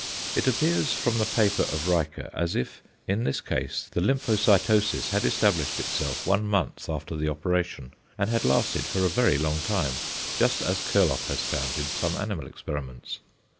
It appears from the paper of Riequer as if in this case the lymphocytosis had established itself one month after the operation, and had lasted for a very long time, just as Kurloff has found in some animal experiments.